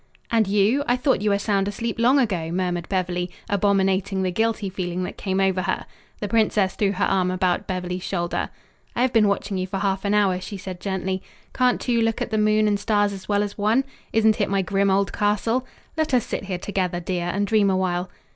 "And you? I thought you were sound asleep long ago," murmured Beverly, abominating the guilty feeling that came over her. The princess threw her arm about Beverly's shoulder. "I have been watching you for half an hour," she said gently. "Can't two look at the moon and stars as well as one? Isn't it my grim old castle? Let us sit here together, dear, and dream awhile."